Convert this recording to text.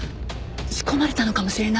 仕込まれたのかもしれない。